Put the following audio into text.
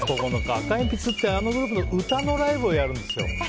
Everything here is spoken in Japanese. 赤えんぴつって、あのグループの歌のライブをやるんですよ。